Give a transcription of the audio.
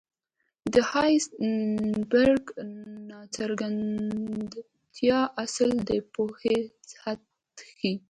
د هایزنبرګ ناڅرګندتیا اصل د پوهې حد ښيي.